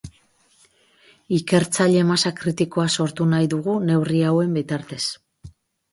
Ikertzaile masa kritikoa sortu nahi dugu neurri hauen bitartez.